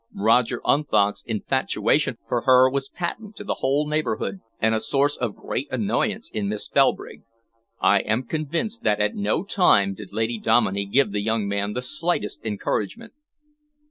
Roger Unthank's infatuation for her was patent to the whole neighbourhood and a source of great annoyance in Miss Felbrigg. I am convinced that at no time did Lady Dominey give the young man the slightest encouragement."